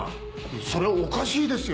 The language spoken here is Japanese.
それおかしいですよ！